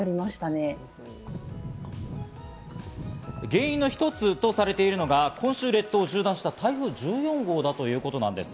原因の一つとされているのが今週、列島を縦断した台風１４号だということなんです。